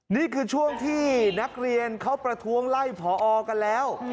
นี่คือช่วงที่นักเรียนเขาประท้วงไล่ผอกันแล้ว